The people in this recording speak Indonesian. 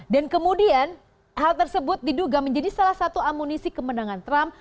dan kemudian hal tersebut diduga menjadi salah satu amunisi kemenangan trump